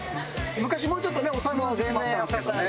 昔もうちょっと抑えめの時期もあったんですけどね。